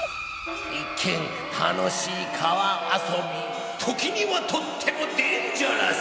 一見楽しい川遊び時にはとってもデンジャラス！